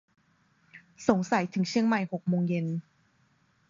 สงสัยถึงเชียงใหม่หกโมงเย็น